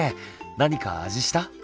何か味した？